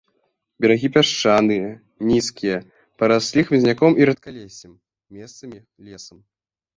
Берагі пясчаныя, нізкія, параслі хмызняком і рэдкалессем, месцамі лесам.